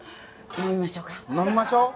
飲みましょう。